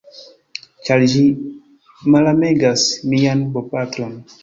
ĉar ĝi malamegas mian bopatron.